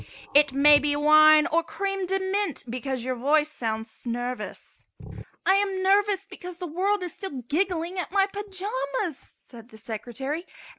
"It may be wine or cream de mint because your voice sounds nervous." "I am nervous because the world is still giggling at my pajamas," said the Secretary.